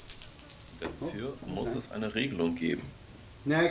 Dafür muss es eine Regelung geben.